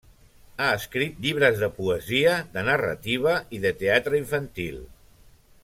Ha escrit llibres de poesia, de narrativa i de teatre infantil.